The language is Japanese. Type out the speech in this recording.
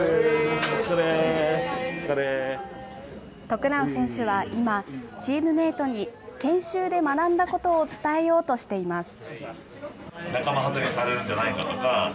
徳南選手は今、チームメートに研修で学んだことを伝えようとしています。